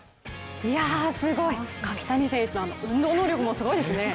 すごい、柿谷選手の運動能力もすごいですね。